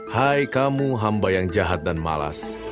hai kamu hamba yang jahat dan malas